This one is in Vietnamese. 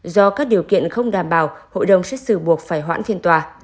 do các điều kiện không đảm bảo hội đồng xét xử buộc phải hoãn phiên tòa